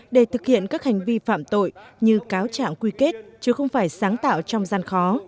để thực hiện các hành vi phạm tội như cáo trạng quy kết chứ không phải sáng tạo trong gian khó